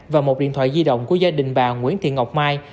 và một điện thoại di động của gia đình bà nguyễn thị ngọc mai